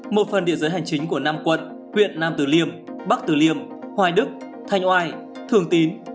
một phần địa giới hành chính của năm quận huyện nam tử liêm bắc tử liêm hoài đức thanh oai thường tín